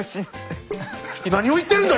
何を言ってるんだ